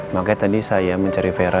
makanya tadi saya mencari vera